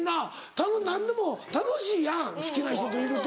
たぶん何でも楽しいやん好きな人といると。